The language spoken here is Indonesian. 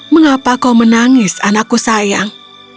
mengapa kau menangis anakku sayang